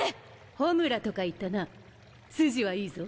ホムラとかいったな筋はいいぞ。